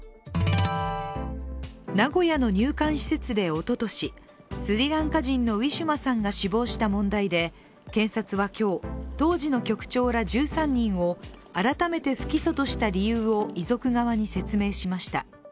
名古屋の入管施設でおととしスリランカ人のウィシュマさんが死亡した問題で検察は今日、当時の局長ら１３人を改めて不起訴とした理由を遺族側に説明しました。